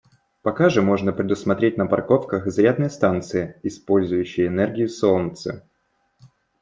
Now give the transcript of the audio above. Пока же можно предусмотреть на парковках зарядные станции, использующие энергию солнца.